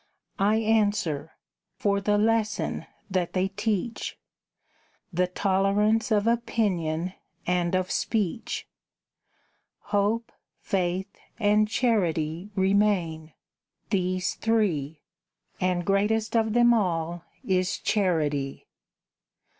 I answer: "For the lesson that they teach: The tolerance of opinion and of speech. Hope, Faith, and Charity remain, these three; And greatest of them all is Charity."